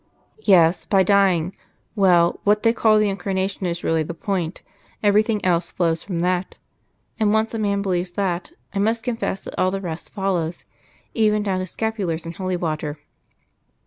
"Yes; by dying. Well, what they call the Incarnation is really the point. Everything else flows from that. And, once a man believes that, I must confess that all the rest follows even down to scapulars and holy water."